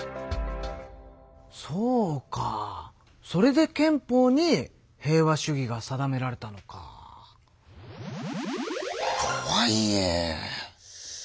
そうかそれで憲法に平和主義が定められたのか。とはいえ。